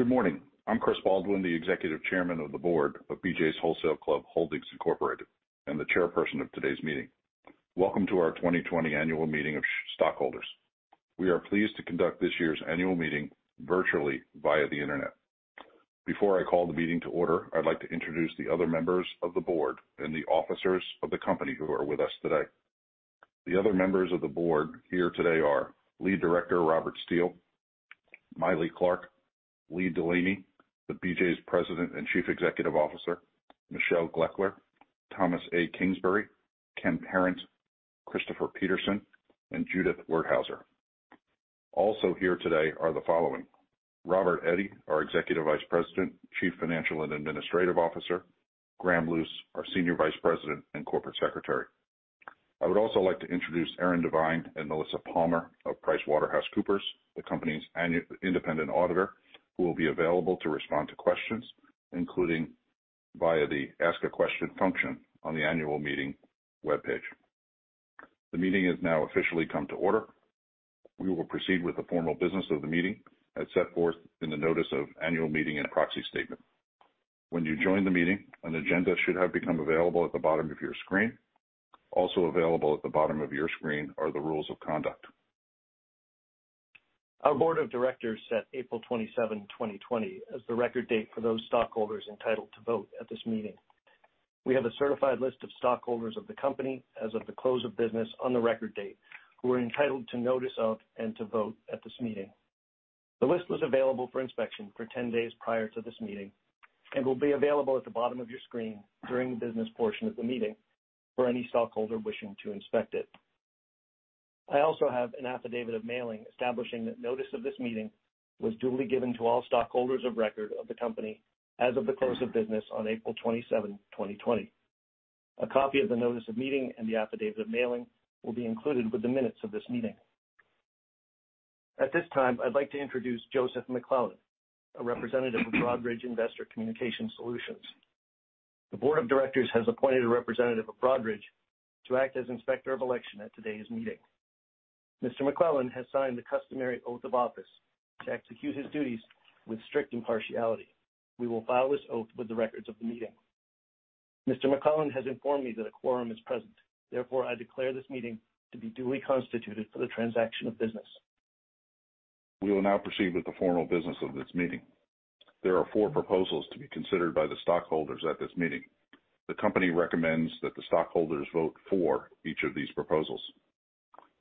Good morning. I'm Chris Baldwin, the Executive Chairman of the Board of BJ's Wholesale Club Holdings, Incorporated, and the chairperson of today's meeting. Welcome to our 2020 annual meeting of stockholders. We are pleased to conduct this year's annual meeting virtually via the internet. Before I call the meeting to order, I'd like to introduce the other members of the board and the officers of the company who are with us today. The other members of the board here today are Lead Director, Robert Steele, Maile Clark, Lee Delaney, the BJ's President and Chief Executive Officer, Michelle Gloeckler, Thomas A. Kingsbury, Ken Parent, Christopher Peterson, and Judith Werthauser. Also here today are the following. Robert Eddy, our Executive Vice President, Chief Financial and Administrative Officer, Graham Luce, our Senior Vice President and Corporate Secretary. I would also like to introduce Erin Devine and Melissa Palmer of PricewaterhouseCoopers, the company's independent auditor, who will be available to respond to questions, including via the Ask A Question function on the annual meeting webpage. The meeting has now officially come to order. We will proceed with the formal business of the meeting as set forth in the notice of annual meeting and proxy statement. When you joined the meeting, an agenda should have become available at the bottom of your screen. Also available at the bottom of your screen are the rules of conduct. Our board of directors set April 27, 2020, as the record date for those stockholders entitled to vote at this meeting. We have a certified list of stockholders of the company as of the close of business on the record date, who are entitled to notice of and to vote at this meeting. The list was available for inspection for 10 days prior to this meeting and will be available at the bottom of your screen during the business portion of the meeting for any stockholder wishing to inspect it. I also have an affidavit of mailing establishing that notice of this meeting was duly given to all stockholders of record of the company as of the close of business on April 27, 2020. A copy of the notice of meeting and the affidavit of mailing will be included with the minutes of this meeting. At this time, I'd like to introduce Joseph McClellan, a representative of Broadridge Investor Communication Solutions. The board of directors has appointed a representative of Broadridge to act as Inspector of Election at today's meeting. Mr. McClellan has signed the customary oath of office to execute his duties with strict impartiality. We will file this oath with the records of the meeting. Mr. McClellan has informed me that a quorum is present. Therefore, I declare this meeting to be duly constituted for the transaction of business. We will now proceed with the formal business of this meeting. There are 4 proposals to be considered by the stockholders at this meeting. The company recommends that the stockholders vote for each of these proposals.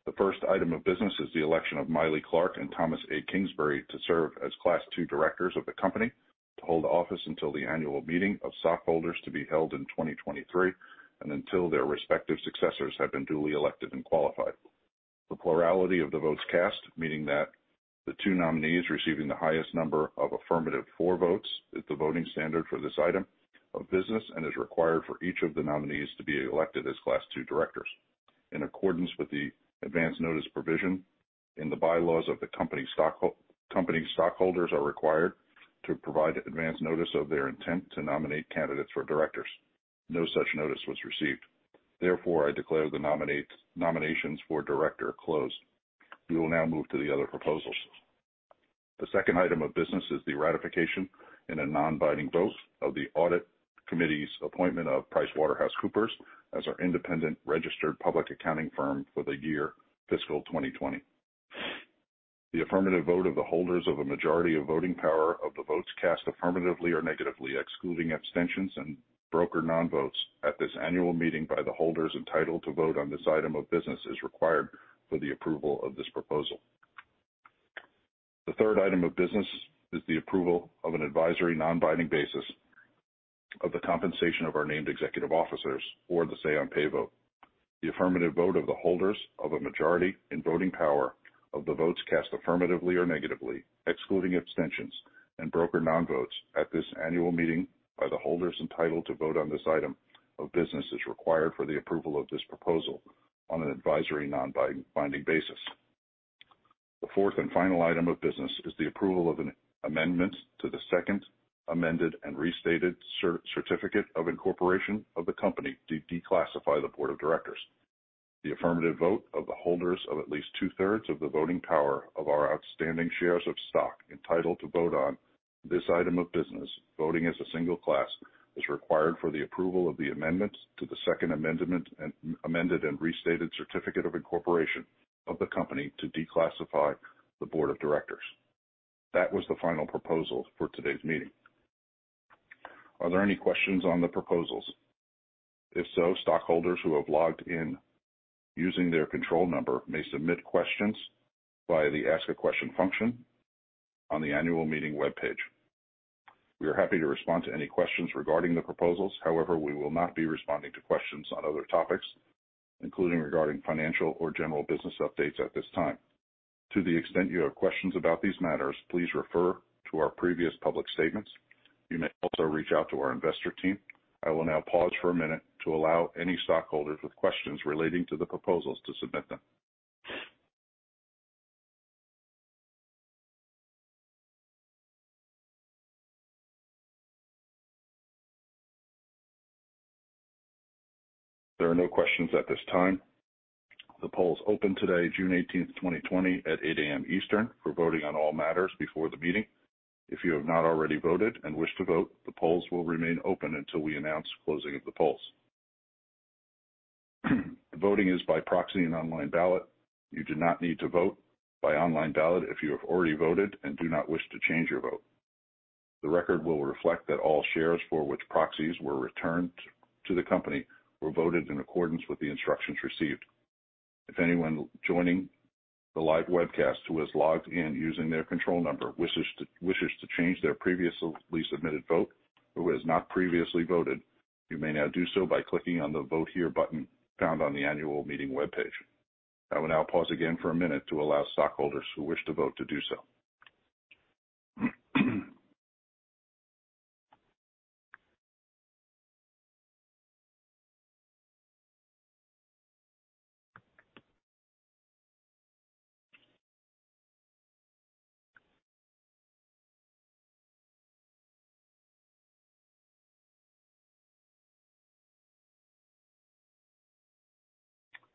The first item of business is the election of Maile Clark and Thomas A. Kingsbury to serve as Class II Directors of the company, to hold office until the annual meeting of stockholders to be held in 2023, and until their respective successors have been duly elected and qualified. The plurality of the votes cast, meaning that the two nominees receiving the highest number of affirmative for votes is the voting standard for this item of business and is required for each of the nominees to be elected as Class II Directors. In accordance with the advanced notice provision in the bylaws of the company, stockholders are required to provide advance notice of their intent to nominate candidates for directors. No such notice was received. Therefore, I declare the nominations for director closed. We will now move to the other proposals. The second item of business is the ratification in a non-binding vote of the audit committee's appointment of PricewaterhouseCoopers as our independent registered public accounting firm for the year fiscal 2020. The affirmative vote of the holders of a majority of voting power of the votes cast affirmatively or negatively, excluding abstentions and broker non-votes at this annual meeting by the holders entitled to vote on this item of business as required for the approval of this proposal. The third item of business is the approval of an advisory non-binding basis of the compensation of our named executive officers or the say on pay vote. The affirmative vote of the holders of a majority in voting power of the votes cast affirmatively or negatively, excluding abstentions and broker non-votes at this annual meeting by the holders entitled to vote on this item of business is required for the approval of this proposal on an advisory non-binding basis. The fourth and final item of business is the approval of an amendment to the second amended and restated certificate of incorporation of the company to declassify the board of directors. The affirmative vote of the holders of at least 2/3 of the voting power of our outstanding shares of stock entitled to vote on this item of business, voting as a single class, is required for the approval of the amendments to the second amendment and amended and restated certificate of incorporation of the company to declassify the board of directors. That was the final proposal for today's meeting. Are there any questions on the proposals? If so, stockholders who have logged in using their control number may submit questions via the Ask A Question function on the annual meeting webpage. We are happy to respond to any questions regarding the proposals. However, we will not be responding to questions on other topics, including regarding financial or general business updates at this time. To the extent you have questions about these matters, please refer to our previous public statements. You may also reach out to our investor team. I will now pause for a minute to allow any stockholders with questions relating to the proposals to submit them. There are no questions at this time. The polls opened today, June 18th, 2020, at 8:00 AM Eastern for voting on all matters before the meeting. If you have not already voted and wish to vote, the polls will remain open until we announce closing of the polls. Voting is by proxy and online ballot. You do not need to vote by online ballot if you have already voted and do not wish to change your vote. The record will reflect that all shares for which proxies were returned to the company were voted in accordance with the instructions received. If anyone joining the live webcast who has logged in using their control number wishes to change their previously submitted vote or who has not previously voted, you may now do so by clicking on the Vote Here button found on the annual meeting webpage. I will now pause again for a minute to allow stockholders who wish to vote to do so.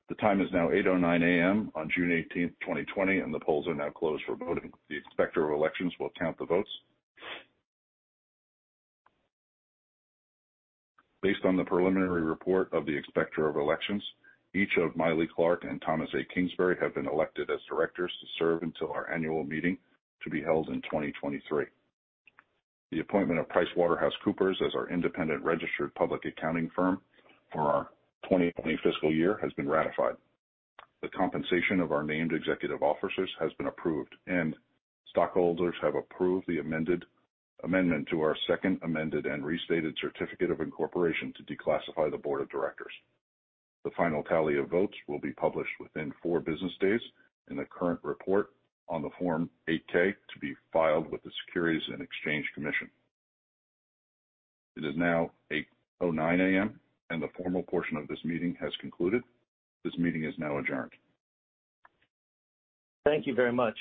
The time is now 8:09 A.M. on June 18th, 2020, and the polls are now closed for voting. The Inspector of Elections will count the votes. Based on the preliminary report of the Inspector of Elections, each of Maile Clark and Thomas A. Kingsbury have been elected as directors to serve until our annual meeting to be held in 2023. The appointment of PricewaterhouseCoopers as our independent registered public accounting firm for our 2020 fiscal year has been ratified. The compensation of our named executive officers has been approved, and stockholders have approved the amendment to our second amended and restated certificate of incorporation to declassify the board of directors. The final tally of votes will be published within four business days in the current report on the Form 8-K to be filed with the Securities and Exchange Commission. It is now 8:09 A.M., and the formal portion of this meeting has concluded. This meeting is now adjourned. Thank you very much.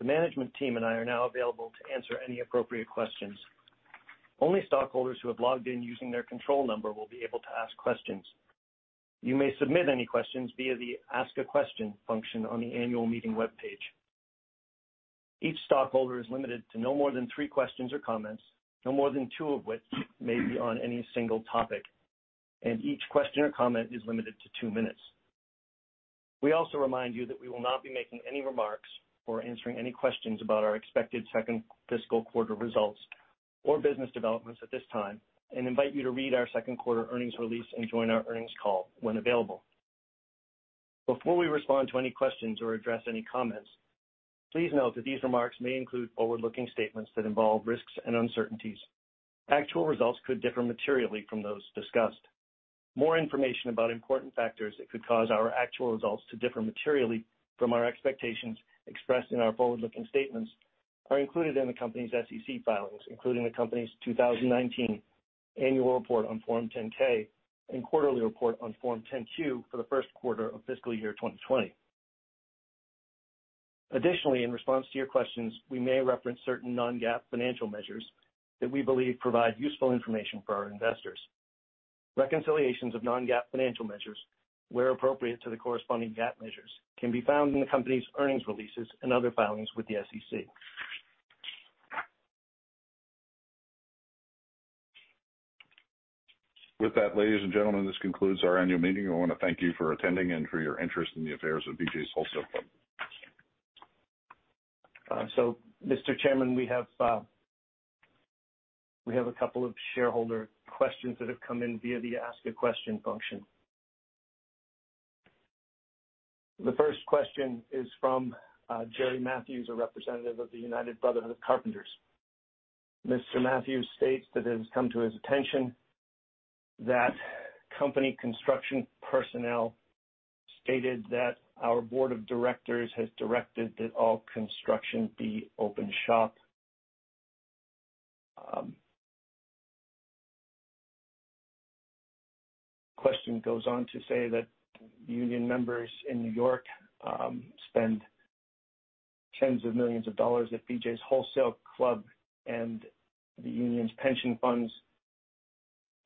The management team and I are now available to answer any appropriate questions. Only stockholders who have logged in using their control number will be able to ask questions. You may submit any questions via the Ask A Question function on the annual meeting webpage. Each stockholder is limited to no more than three questions or comments, no more than two of which may be on any single topic, and each question or comment is limited to two minutes. We also remind you that we will not be making any remarks or answering any questions about our expected second fiscal quarter results or business developments at this time and invite you to read our second quarter earnings release and join our earnings call when available. Before we respond to any questions or address any comments, please note that these remarks may include forward-looking statements that involve risks and uncertainties. Actual results could differ materially from those discussed. More information about important factors that could cause our actual results to differ materially from our expectations expressed in our forward-looking statements are included in the company's SEC filings, including the company's 2019 annual report on Form 10-K and quarterly report on Form 10-Q for the first quarter of fiscal year 2020. Additionally, in response to your questions, we may reference certain non-GAAP financial measures that we believe provide useful information for our investors. Reconciliations of non-GAAP financial measures, where appropriate to the corresponding GAAP measures, can be found in the company's earnings releases and other filings with the SEC. With that, ladies and gentlemen, this concludes our annual meeting. I want to thank you for attending and for your interest in the affairs of BJ's Wholesale. Mr. Chairman, we have a couple of shareholder questions that have come in via the Ask A Question function. The first question is from Gerry Matthews, a representative of the United Brotherhood of Carpenters. Mr. Matthews states that it has come to his attention that company construction personnel stated that our board of directors has directed that all construction be open shop. Question goes on to say that union members in New York spend tens of millions of dollars at BJ's Wholesale Club and the union's pension funds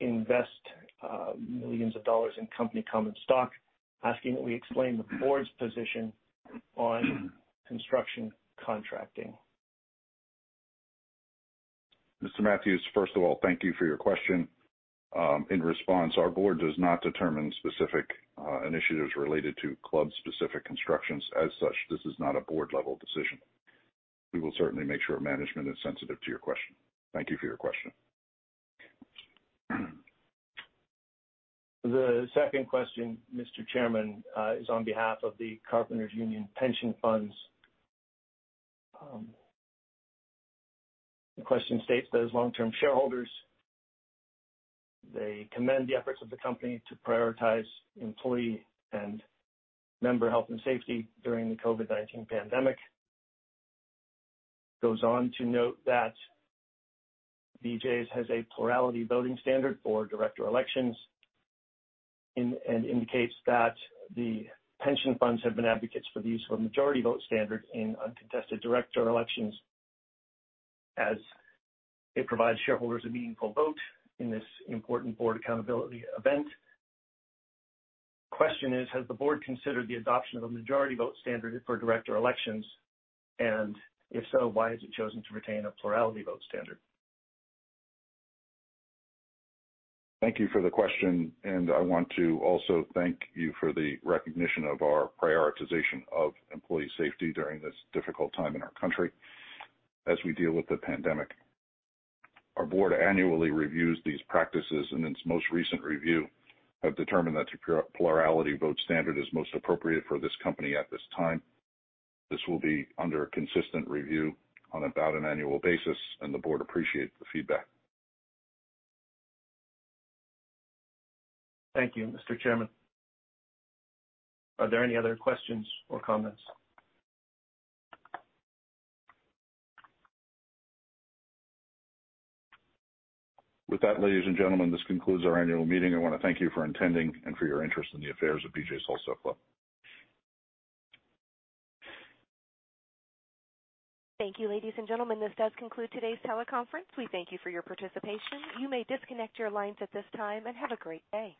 invest millions of dollars in company common stock, asking that we explain the board's position on construction contracting. Mr. Matthews, first of all, thank you for your question. In response, our board does not determine specific initiatives related to club-specific constructions. As such, this is not a board-level decision. We will certainly make sure management is sensitive to your question. Thank you for your question. The second question, Mr. Chairman, is on behalf of the Carpenters Union pension funds. The question states that as long-term shareholders, they commend the efforts of the company to prioritize employee and member health and safety during the COVID-19 pandemic. Goes on to note that BJ's has a plurality voting standard for director elections and indicates that the pension funds have been advocates for the use of a majority vote standard in uncontested director elections as it provides shareholders a meaningful vote in this important board accountability event. Question is, has the board considered the adoption of a majority vote standard for director elections? If so, why has it chosen to retain a plurality vote standard? Thank you for the question, and I want to also thank you for the recognition of our prioritization of employee safety during this difficult time in our country as we deal with the pandemic. Our board annually reviews these practices and in its most recent review have determined that the plurality vote standard is most appropriate for this company at this time. This will be under consistent review on about an annual basis, and the board appreciates the feedback. Thank you, Mr. Chairman. Are there any other questions or comments? With that, ladies and gentlemen, this concludes our annual meeting. I want to thank you for attending and for your interest in the affairs of BJ's Wholesale Club. Thank you, ladies and gentlemen. This does conclude today's teleconference. We thank you for your participation. You may disconnect your lines at this time, and have a great day.